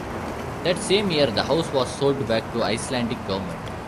That same year the house was sold back to the Icelandic government.